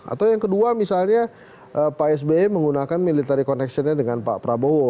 atau yang kedua misalnya pak sby menggunakan military connection nya dengan pak prabowo